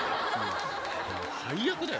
最悪だよ。